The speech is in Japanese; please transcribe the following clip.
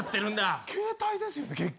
携帯ですよね結局。